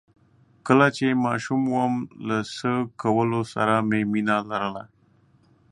کله چې ماشوم وم له څه کولو سره مې مينه لرله؟